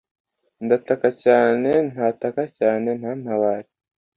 ndataka cyane ntataka cyane nantabare